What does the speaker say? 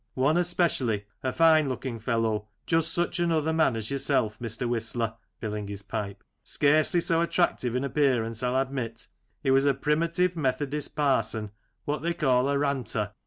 One especially, a fine looking fellow, just such another man as yourself, Mr. Whistler {filling his pipe), scarcely so attractive in appearance I'll admit. He was a Primitive Methodist parson, what they call a " Ranter."